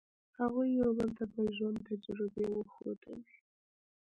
هغوی یو بل ته د ژوند تجربې وښودلې.